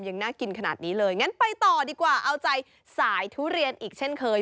ยังน่ากินขนาดนี้เลยงั้นไปต่อดีกว่าเอาใจสายทุเรียนอีกเช่นเคย